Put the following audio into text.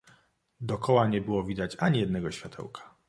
"Dokoła nie było widać ani jednego światełka."